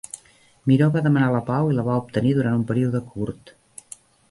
Miro va demanar la pau i la va obtenir durant un període curt.